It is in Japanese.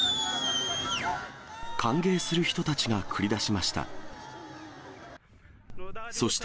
歓迎する人たちがくり出しました。